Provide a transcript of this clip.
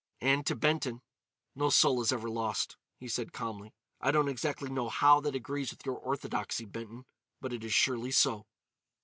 And, to Benton, "No soul is ever lost," he said, calmly. "I don't exactly know how that agrees with your orthodoxy, Benton. But it is surely so."